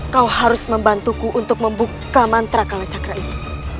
kau harus membantuku untuk membuka mantra kalacakra ini